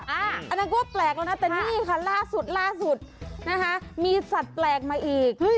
อันนั้นก็แปลกแล้วนะแต่นี่ค่ะล่าสุดล่าสุดนะคะมีสัตว์แปลกมาอีก